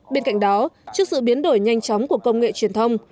bên cạnh đó trước sự biến đổi nhanh chóng của công nghệ truyền thông